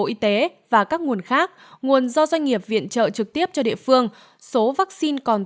bộ y tế và các nguồn khác nguồn do doanh nghiệp viện trợ trực tiếp cho địa phương số vaccine còn